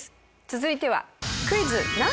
続いては。